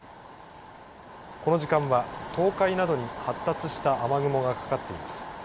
この時間は、東海などに発達した雨雲がかかっています。